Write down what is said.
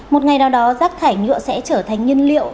một ngày nào đó rác thải nhựa sẽ trở thành nhân liệu